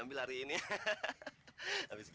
ibu kenapa sih